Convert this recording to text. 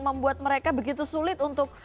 membuat mereka begitu sulit untuk